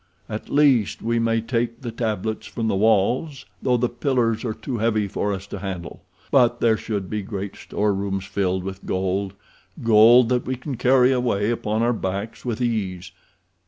At least we may take the tablets from the walls, though the pillars are too heavy for us to handle; but there should be great storerooms filled with gold—gold that we can carry away upon our backs with ease.